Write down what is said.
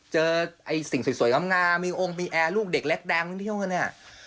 เจอไอ้สิ่งสวยกำงามีองค์มีแอร์ลูกเด็กแรกแดงที่เที่ยวกันอะ